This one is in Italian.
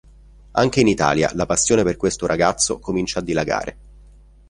Anche in Italia la passione per questo ragazzo comincia a dilagare.